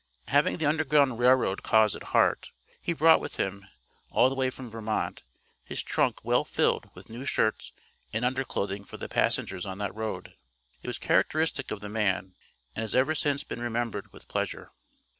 Having the Underground Rail Road cause at heart, he brought with him all the way from Vermont his trunk well filled with new shirts and under clothing for the passengers on that Road. It was characteristic of the man, and has ever since been remembered with pleasure.